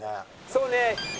そうね。